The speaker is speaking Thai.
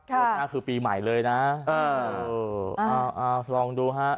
โปรดหน้าคือปีใหม่เลยนะเอาลองดูครับ